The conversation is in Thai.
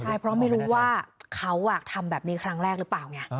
ใช่เพราะไม่รู้ว่าเขาทำแบบนี้ครั้งแรกหรือเปล่าไง